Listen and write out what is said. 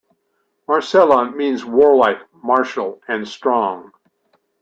Marcella means warlike, martial, and strong.